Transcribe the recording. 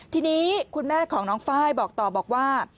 ทีนี้คุณแม่ของน้องไฟล์บอกต่อบอกว่า